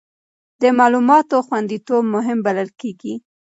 د معلوماتو خوندیتوب مهم بلل کېږي.